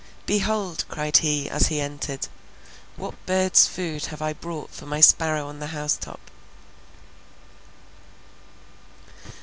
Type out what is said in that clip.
"Behold," cried he, as he entered, "what bird's food I have brought for my sparrow on the house top."